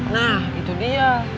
nah itu dia